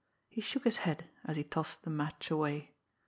He shook his head, as he tossed the match away.